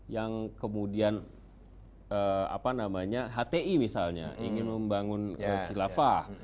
yang kemudian apa namanya hti misalnya ingin membangun khilafah